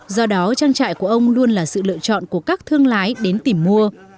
do đó trang trại của ông luôn là sự lựa chọn của các thương lái đến tìm mua